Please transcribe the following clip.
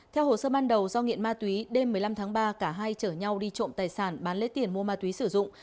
theo hồ sơ ban đầu do nghiện ma túy đêm một mươi năm tháng ba cả hai chở nhau đi trộm tài sản bán lấy tiền mua ma túy sử dụng